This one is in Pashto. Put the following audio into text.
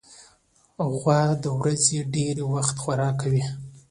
غوا د ورځې ډېری وخت خوراک کوي.